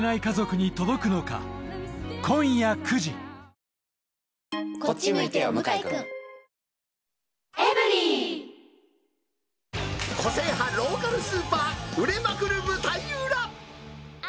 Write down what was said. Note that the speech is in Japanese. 損保ジャパン個性派ローカルスーパー売れまくる舞台裏。